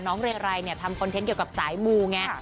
เรไรเนี่ยทำคอนเทนต์เกี่ยวกับสายมูไง